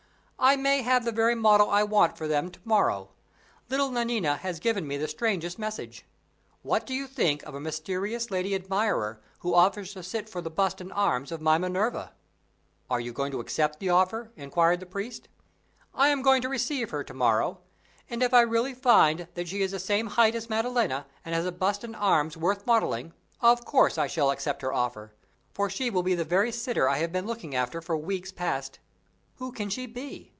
"I may have the very model I want for them to morrow. Little Nanina has just given me the strangest message. What do you think of a mysterious lady admirer who offers to sit for the bust and arms of my Minerva?" "Are you going to accept the offer?" inquired the priest. "I am going to receive her to morrow; and if I really find that she is the same height as Maddalena, and has a bust and arms worth modeling, of course I shall accept her offer; for she will be the very sitter I have been looking after for weeks past. Who can she be?